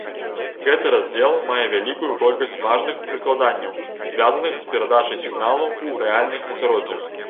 Гэты раздзел мае вялікую колькасць важных прыкладанняў, звязаных з перадачай сігналаў у рэальных асяроддзях.